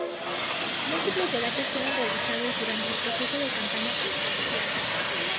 Múltiples debates fueron realizados durante el proceso de campaña presidencial.